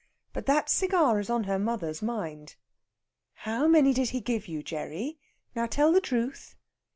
But that cigar is on her mother's mind. "How many did he give you, Gerry? Now tell the truth."